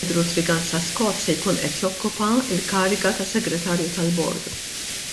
Andrew Triganza Scott se jkun qed jokkupa l-kariga ta' segretarju tal-bord.